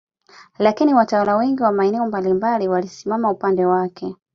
Lakini watawala wengi wa maeneo mbalimbali walisimama upande wake